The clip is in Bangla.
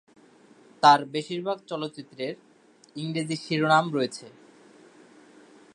তাঁর বেশিরভাগ চলচ্চিত্রের ইংরেজি শিরোনাম রয়েছে।